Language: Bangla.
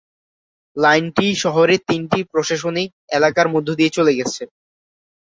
লাইনটি শহরের তিনটি প্রশাসনিক এলাকার মধ্য দিয়ে চলে গেছে।